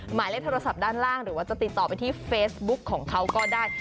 หมายเลขโทรศัพท์ด้านล่างหรือว่าจะติดต่อไปที่เฟซบุ๊กของเขาก็ได้